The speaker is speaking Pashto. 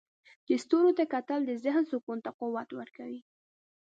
د ستورو ته کتل د ذهن سکون ته قوت ورکوي.